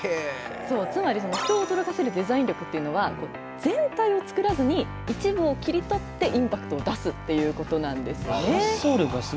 つまり人を驚かせるデザイン力っていうのは全体を作らずに一部を切り取ってインパクトを出すっていうことなんですね。